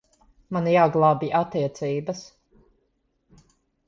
Man jāglābj attiecības.